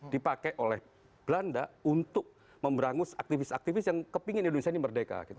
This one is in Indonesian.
dipakai oleh belanda untuk memberangus aktivis aktivis yang kepingin indonesia ini merdeka gitu